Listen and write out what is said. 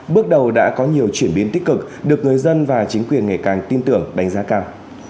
bước đầu đã có nhiều chuyển biến tích cực được người dân và chính quyền ngày càng tin tưởng đánh giá cao